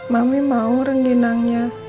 mami mau rangginangnya